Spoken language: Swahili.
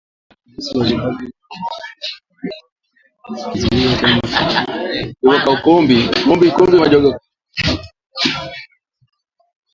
Polisi wa Zimbabwe mwishoni mwa wiki walikizuia chama kikuu cha upinzani nchini humo